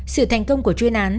sự thành công của chuyên án